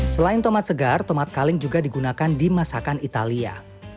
selain tomat segar tomat kaleng juga digunakan di masakan italia